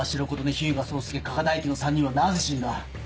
日向聡介加賀大輝の３人はなぜ死んだ？